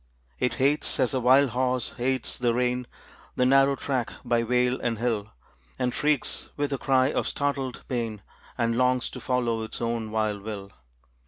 It hates, as a wild horse hates the rein, The narrow track by vale and hill; And shrieks with a cry of startled pain, And longs to follow its own wild will.